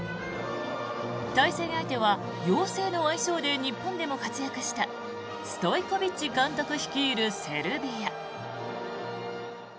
対戦相手は妖精の愛称で日本でも活躍したストイコビッチ監督率いるセルビア。